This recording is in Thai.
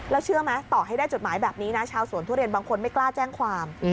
แล้วเชื่อไหมต่อให้ได้จดหมายแบบนี้นะชาวสวนทุเรียนบางคนไม่กล้าแจ้งความ